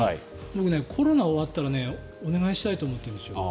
僕、コロナが終わったらお願いしたいと思ってるんです。